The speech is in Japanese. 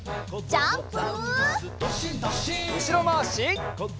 ジャンプ！